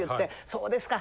「そうですか。